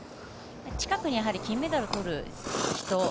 近くに金メダルをとる人